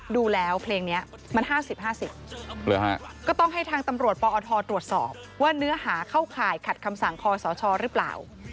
ดูแล้วเพลงนี้มัน๕๐๕๐ก็ต้องให้ทางตำรวจปอทตรวจสอบว่าเนื้อหาเข้าข่ายขัดคำสั่งคอสชหรือเปล่า